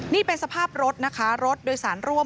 นี่เป็นสภาพรถนะคะรถโดยสารร่วม